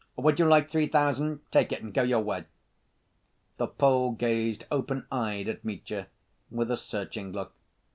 "Would you like three thousand? Take it and go your way." The Pole gazed open‐eyed at Mitya, with a searching look.